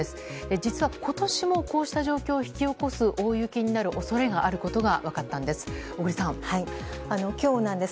実は今年も、こうした状況を引き起こす大雪になる恐れがあることが分かったんです。